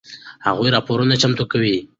هغوی راپورونه چمتو کوي.